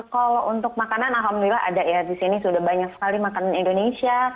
kalau untuk makanan alhamdulillah ada ya di sini sudah banyak sekali makanan indonesia